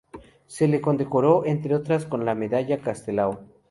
Se le condecoró, entre otras, con la Medalla Castelao.